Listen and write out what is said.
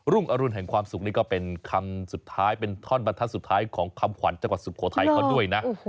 อรุณแห่งความสุขนี่ก็เป็นคำสุดท้ายเป็นท่อนบรรทัศน์สุดท้ายของคำขวัญจังหวัดสุโขทัยเขาด้วยนะ